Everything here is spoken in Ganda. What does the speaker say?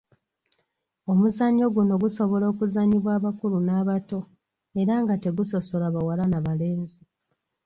Omuzannyo guno gusobola okuzannyibwa abakulu n’abato era nga tegusosola bawala n’abalenzi.